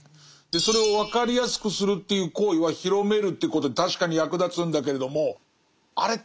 でそれをわかりやすくするっていう行為は広めるっていうことに確かに役立つんだけれどもあれ？